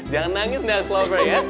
jangan nangis nih aslobber ya